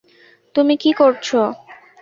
তুমি কি করছ?